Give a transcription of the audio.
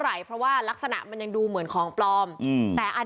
ไหลเพราะว่ารักษณะมันยังดูเหมือนของปลอมอืมแต่อัน